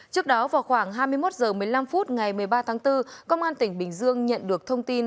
trước đó vào khoảng hai mươi một h một mươi năm phút ngày một mươi ba tháng bốn công an tỉnh bình dương nhận được thông tin